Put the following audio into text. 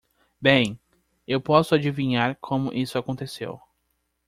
Bem? Eu posso adivinhar como isso aconteceu.